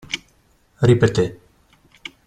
Ripeté.